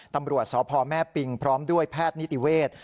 ตำรวจสพแม่ปิงพร้อมด้วยแพทย์นิติเวศ